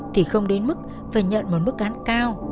thì không đến mức phải nhận một mức án cao